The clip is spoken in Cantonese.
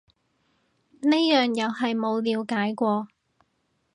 呢樣又係冇了解過